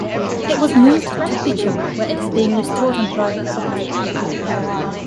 It was moved to Peacham where it is being restored on private property.